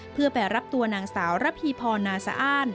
เพื่อไปรับตัวนางสาวระพีพรนาสะอ้าน